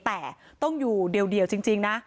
แต่ต้องอยู่เดียวจริงนะ